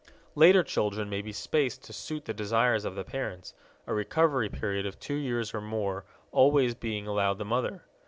Later children may be spaced to suit the desires of the parents, a recovery period of two years or more always being allowed the mother.